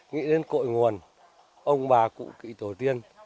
nghĩ đến cội nguồn ông bà cụ kỵ tổ tiên